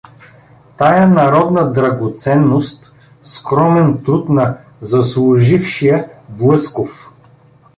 Тая народна драгоценност, скромен труд на заслужившия Блъсков?